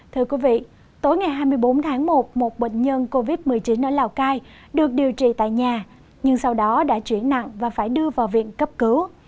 thưa quý vị tối ngày hai mươi bốn tháng một một bệnh nhân covid một mươi chín ở lào cai được điều trị tại nhà nhưng sau đó đã chuyển nặng và phải đưa vào viện cấp cứu